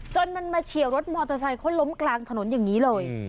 จนมันมาเฉียวรถมอเตอร์ไซค์เขาล้มกลางถนนอย่างนี้เลย